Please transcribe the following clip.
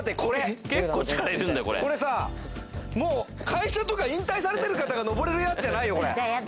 これさ、もう会社とか引退されてる方が登れるやつじゃないよ。